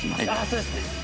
そうですね。